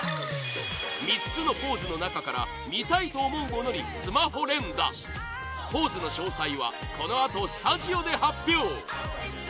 ３つのポーズの中から見たいと思うものにスマホ連打ポーズの詳細はこのあとスタジオで発表